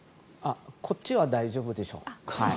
こっちは大丈夫でしょう。